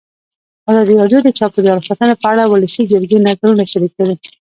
ازادي راډیو د چاپیریال ساتنه په اړه د ولسي جرګې نظرونه شریک کړي.